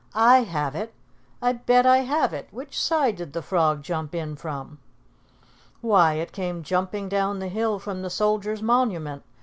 "I have it. I bet I have it. Which side did the frog jump in from?" "Why, it came jumping down the hill from the Soldiers' Monument.